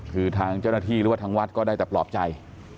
คือทางเจ้าหน้าที่หรือว่าทางวัดก็ได้แต่ปลอบใจ